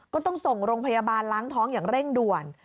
ก็ต้องส่งโรงพยาบาลล้างท้องอย่างเร่งด่วน